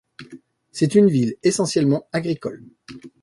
C'est une ville essentiellement agricole.